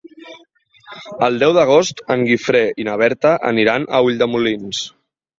El deu d'agost en Guifré i na Berta aniran a Ulldemolins.